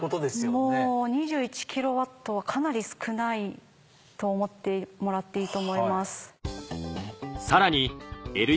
もう２１ｋｗはかなり少ないと思ってもらっていいと思います。